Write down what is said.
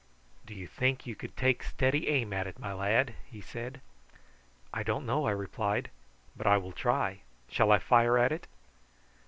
"Do you think you could take steady aim at it, my lad?" he said. "I don't know," I replied, "but I will try. Shall I fire at it?"